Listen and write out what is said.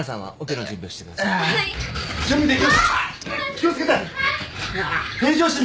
気を付けて！